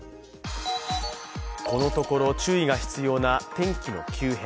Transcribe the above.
このところ、注意が必要な天気の急変。